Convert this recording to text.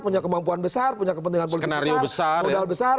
punya kemampuan besar punya kepentingan politik besar